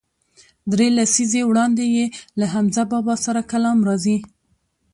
درې لسیزې وړاندې یې له حمزه بابا سره کلام راځي.